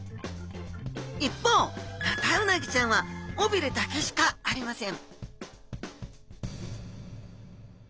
一方ヌタウナギちゃんは尾びれだけしかありません